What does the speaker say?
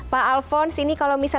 pak alphonse ini kalau misalnya